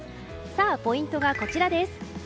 ポイントがこちらです。